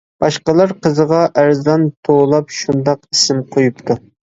باشقىلار قىزىغا ئەرزان توۋلاپ شۇنداق ئىسىم قويۇپتۇ.